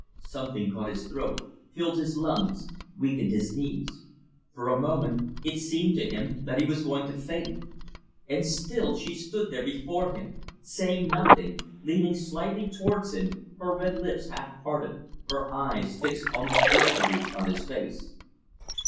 Something caught his throat, filled his lungs, weakened his knees. For a moment it seemed to him that he was going to faint. And still she stood there before him, saying nothing, leaning slightly towards him, her red lips half parted, her eyes fixed almost wistfully on his face.